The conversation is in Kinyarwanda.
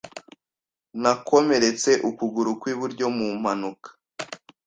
Nakomeretse ukuguru kw'iburyo mu mpanuka.